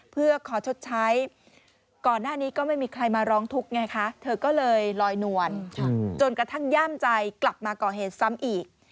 เพื่อขอชดใช้ก่อนหน้านี้ก็ไม่มีใครมาร้องทุกข์ไงคะเธอก็เลยลอยนวลจนกระทั่งย่ามใจกลับมาก่อเหตุซ้ำอีก